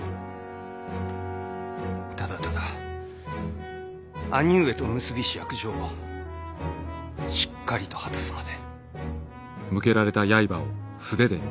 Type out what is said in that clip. ただただ兄上と結びし約定をしっかりと果たすまで。